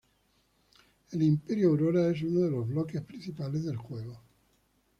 El imperio Aurora es uno de los bloques principales del juego.